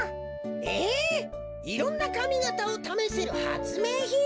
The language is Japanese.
・えっいろんなかみがたをためせるはつめいひん？